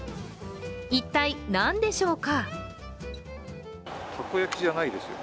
一体、何でしょうか？